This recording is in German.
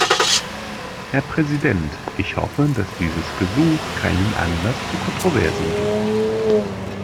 Herr Präsident, ich hoffe, dass dieses Gesuch keinen Anlass zu Kontroversen gibt.